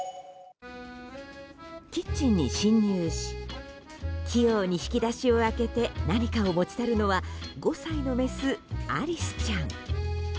キッチンに侵入し器用に引き出しを開けて何かを持ち去るのは５歳のメス、アリスちゃん。